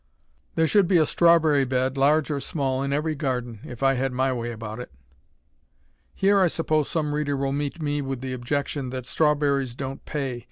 There should be a strawberry bed, large or small, in every garden, if I had my way about it. Here I suppose some reader will meet me with the objection that "strawberries don't pay.